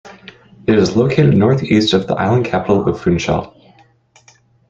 It is located northeast of the island capital of Funchal.